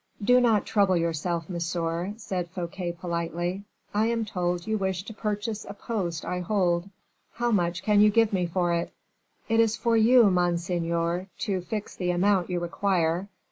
"Do not trouble yourself, monsieur," said Fouquet, politely; "I am told you wish to purchase a post I hold. How much can you give me for it?" "It is for you, monseigneur, to fix the amount you require.